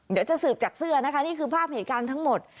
เดี๋ยวจะสืบจากเสื้อนะคะนี่คือภาพเหตุการณ์ทั้งหมด